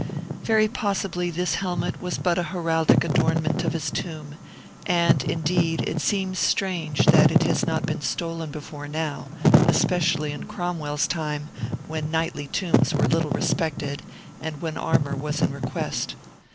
Very possibly, this helmet was but an heraldic adornment of his tomb; and, indeed, it seems strange that it has not been stolen before now, especially in Cromwell's time, when knightly tombs were little respected, and when armor was in request.